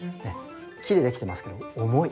木でできてますけど重い。